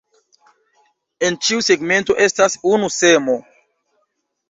En ĉiu segmento estas unu semo.